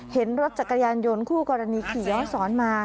เห็นรถจักรยานยนต์คู่กรณีขี่ย้อนสอนมา